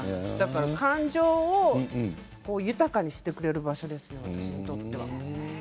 感情を豊かにしてくれる場所ですよね、きっと。